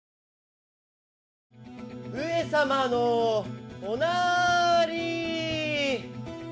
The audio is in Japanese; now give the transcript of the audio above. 上様のおなーりー！